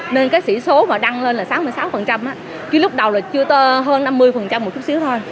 nên cái sĩ số mà đăng lên là sáu mươi sáu chứ lúc đầu là chưa hơn năm mươi một chút xíu thôi